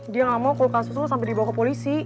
dia gak mau aku kasih kasih lo sampe dibawa ke polisi